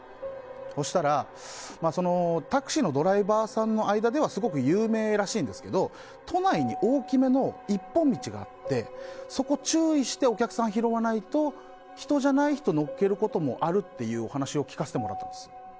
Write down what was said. そしたら、そのタクシーのドライバーさんの間ではすごく有名らしいんですけど都内に大きめの一本道があってそこ、注意してお客さんを拾わないと人じゃない人乗っけることもあるっていうお話を聞かせてもらったんです。